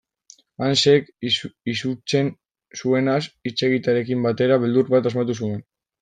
Hansek, izutzen zuenaz hitz egitearekin batera, beldur bat asmatu zuen.